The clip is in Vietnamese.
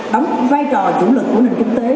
đóng vai trò chủ lực của nền kinh tế